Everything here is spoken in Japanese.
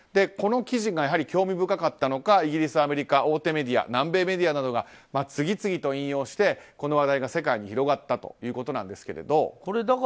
この記事が興味深かったのかイギリス、アメリカ大手メディア南米メディアなどが次々と引用して、この話題が世界に広がったということです。